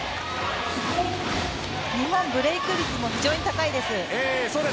日本ブレーク率も非常に高いです。